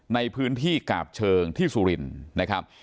ในพื้นที่กาบเชิงที่สุรินทร์นะครับ